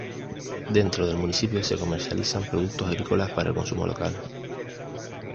Dentro del municipio de comercializan productos agrícolas para el consumo local.